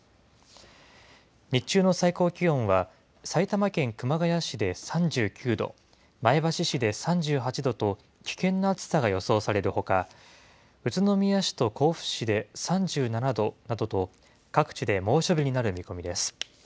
日中の最高気温は、埼玉県熊谷市で３９度、前橋市で３８度と、危険な暑さが予想されるほか、宇都宮市と甲府市で３７度などと、各地で猛暑日になる見込みです。